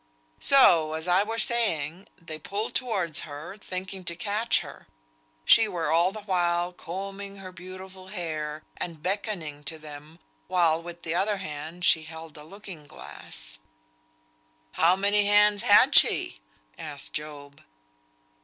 "So, as I were saying, they pulled towards her, thinking to catch her. She were all the while combing her beautiful hair, and beckoning to them, while with the other hand she held a looking glass." "How many hands had she?" asked Job.